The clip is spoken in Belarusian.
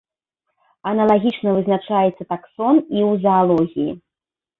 Аналагічна вызначаецца таксон і ў заалогіі.